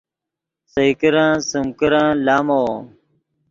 سئے کرن سیم کرن لامو